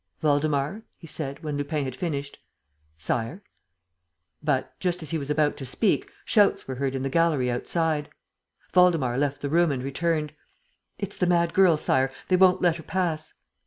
"Waldemar," he said, when Lupin had finished. "Sire?" But, just as he was about to speak, shouts were heard in the gallery outside. Waldemar left the room and returned: "It's the mad girl, Sire. They won't let her pass."